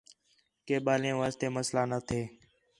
کہ ٻالیں واسطے مسئلہ نہ تھے